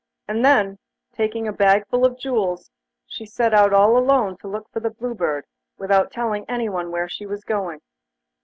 And then, taking a bagful of jewels, she set out all alone to look for the Blue Bird, without telling anyone where she was going.